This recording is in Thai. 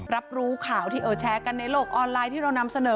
รับรู้ข่าวที่แชร์กันในโลกออนไลน์ที่เรานำเสนอ